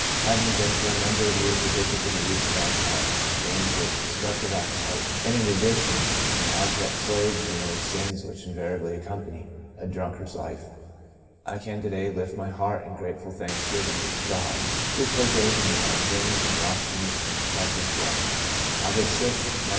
Having been for a number of years addicted to the use of alcohol and chained to its destructive appetite, and in addition an abject slave to the many sins which invariably accompany a drunkard's life, I can to day lift my heart in grateful thanksgiving to God, who forgave me my sins and washed me in His precious blood, August 6, 1904.